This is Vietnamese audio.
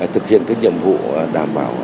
thực hiện nhiệm vụ đảm bảo